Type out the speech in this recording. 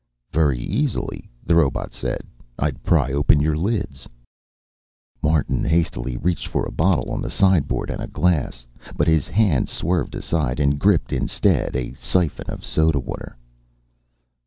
"Very easily," the robot said. "I'd pry open your lids " Martin hastily reached for a bottle on the sideboard, and a glass. But his hand swerved aside and gripped, instead, a siphon of soda water.